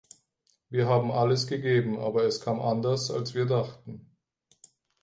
Wir haben alles gegeben, aber es kam anders, als wir dachten.